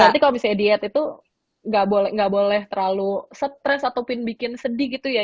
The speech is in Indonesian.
berarti kalau misalnya diet itu tidak boleh terlalu stress atau bikin sedih gitu ya